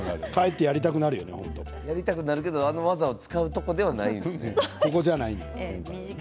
やりたくなるけど今、技を使うところではないよね。